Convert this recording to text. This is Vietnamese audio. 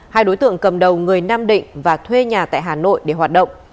hai đối tượng cầm đầu người nam định và thuê nhà tại hà nội để hoạt động